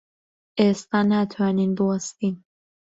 ئێستا ناتوانین بوەستین.